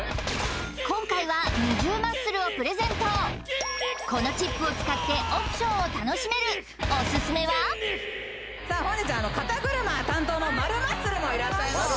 今回はこのチップを使ってオプションを楽しめるオススメは本日は肩車担当のｍａｒｕマッスルもいらっしゃいます